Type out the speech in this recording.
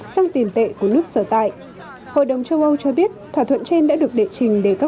sang tiền tệ của nước sở tại hội đồng châu âu cho biết thỏa thuận trên đã được đệ trình để các